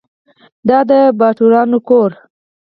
دا د باتورانو کور .